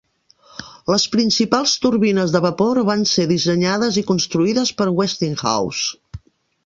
Les principals turbines de vapor van ser dissenyades i construïdes per Westinghouse.